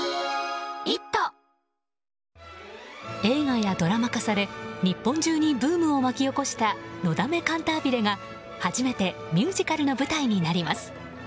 映画やドラマ化され日本中にブームを巻き起こした「のだめカンタービレ」が初めてミュージカルの舞台になります。